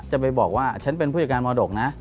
จะไปบอกว่าฉันเป็นผู้จัดการมรดกนะ